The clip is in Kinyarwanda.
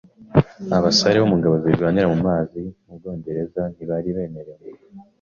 abasare bo mu ngabo zirwanira mu mazi zo mu Bwongereza ntibari bemerewe